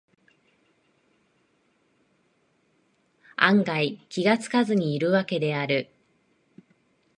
存外気がつかずにいるわけである